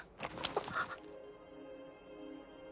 あっ。